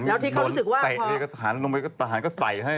นำไปก็ตายก็ใส่ให้